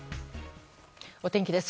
お天気です。